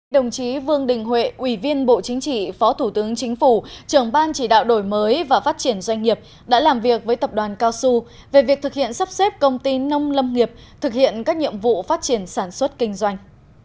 đồng chí vương đình huệ ủy viên bộ chính trị phó thủ tướng chính phủ trưởng ban chỉ đạo đổi mới và phát triển doanh nghiệp đã làm việc với tập đoàn cao su về việc thực hiện sắp xếp công ty nông lâm nghiệp thực hiện các nhiệm vụ phát triển sản xuất kinh doanh